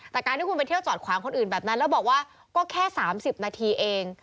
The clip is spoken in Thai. แต่การที่คุณไปเที่ยวจอดขวางคนอื่นแบบนั้นแล้วบอกว่าก็แค่๓๐นาทีเอง